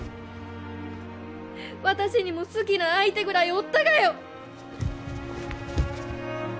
私にも好きな相手ぐらいおったがよ！